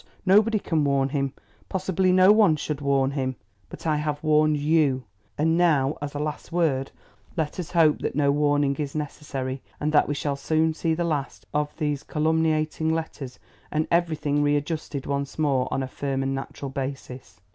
Nobody can warn him; possibly no one should warn him. But I have warned YOU; and now, as a last word, let us hope that no warning is necessary and that we shall soon see the last of these calumniating letters and everything readjusted once more on a firm and natural basis.